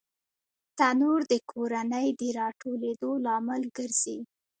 تنور د کورنۍ د راټولېدو لامل ګرځي